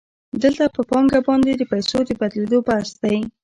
دلته په پانګه باندې د پیسو د بدلېدو بحث دی